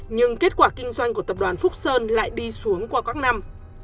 nhưng kết quả kinh doanh của tập đoàn phúc sơn lại đi xuống qua các năm